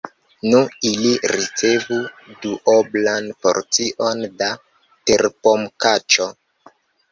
Nu, ili ricevu duoblan porcion da terpomkaĉo.